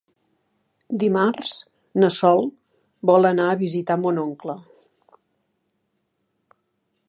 Dimarts na Sol vol anar a visitar mon oncle.